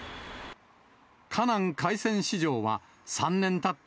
華南海鮮市場は、３年たった